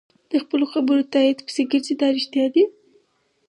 د خپلو خبرو تایید پسې ګرځي دا رښتیا دي.